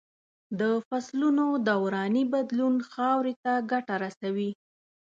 د فصلو دوراني بدلون خاورې ته ګټه رسوي.